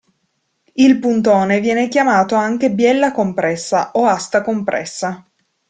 Il puntone viene chiamato anche "biella compressa" o "asta compressa".